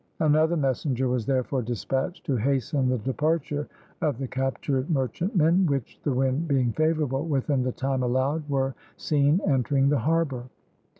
Another messenger was therefore despatched to hasten the departure of the captured merchantmen, which, the wind being favourable, within the time allowed were seen entering the harbour.